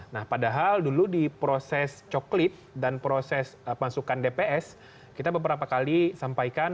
nah padahal dulu di proses coklit dan proses pasukan dps kita beberapa kali sampaikan